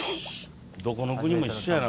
どこの国も一緒やな